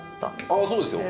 ああそうですよ。